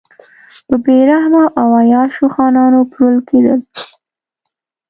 په بې رحمه او عیاشو خانانو پلورل کېدل.